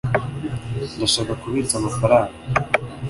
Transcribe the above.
ndashaka kubitsa amafaranga